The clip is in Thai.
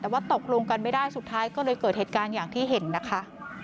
แต่ว่าตกลงกันไม่ได้สุดท้ายก็เลยเกิดเหตุการณ์อย่างที่เห็นนะคะ